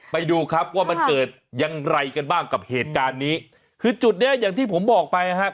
ไปดูครับว่ามันเกิดอย่างไรกันบ้างกับเหตุการณ์นี้คือจุดเนี้ยอย่างที่ผมบอกไปนะครับ